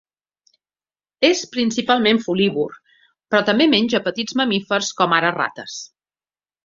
És principalment folívor, però també menja petits mamífers com ara rates.